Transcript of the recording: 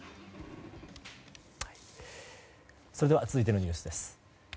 それでは続いてのニュースです。